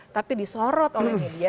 tapi disorot oleh media